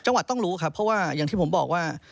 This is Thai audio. จังหวัดต้องรู้ครับเพราะว่าอย่างที่ผมบอกว่า